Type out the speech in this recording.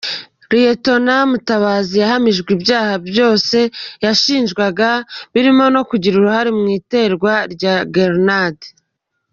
Lt Mutabazi yahamijwe ibyaha byose yashinjwaga, birimo no kugira uruhare mu iterwa rya gerenade.